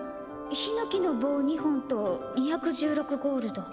ひのきのぼう２本と２１６ゴールド。